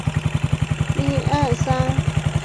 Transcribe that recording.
奥普特沃。